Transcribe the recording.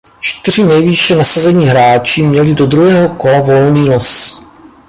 Čtyři nejvýše nasazení hráči měli do druhého kola volný los.